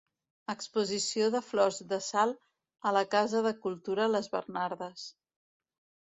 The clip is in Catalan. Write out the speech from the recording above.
Exposició de Flors de Salt a la Casa de Cultura Les Bernardes.